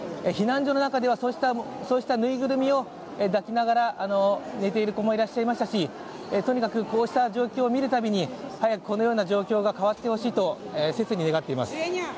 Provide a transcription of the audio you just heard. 避難所の中では、そうしたぬいぐるみを抱きながら寝ている子もいらっしゃいましたし、とにかくこうした状況を見るたびに早くこのような状況が変わってほしいと切に願っています。